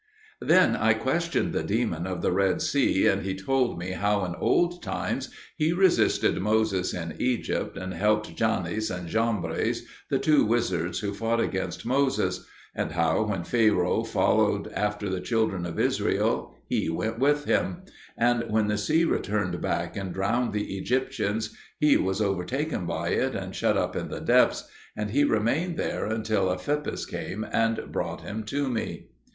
Then I questioned the demon of the Red Sea and he told me how in old times he resisted Moses in Egypt, and helped Jannes and Jambres, the two wizards who fought against Moses; and how when Pharaoh followed after the children of Israel he went with him; and when the sea returned back and drowned the Egyptians, he was overtaken by it and shut up in the depths, and he remained there until Ephippas came and brought him to me.